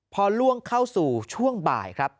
พอล่วงเข้าสู่ช่วงบ่ายครับ